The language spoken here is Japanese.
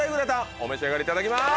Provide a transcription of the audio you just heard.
お召し上がりいただきます。